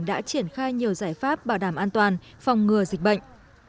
đã triển khai nhiều giải pháp bảo đảm an toàn phòng ngừa dịch bệnh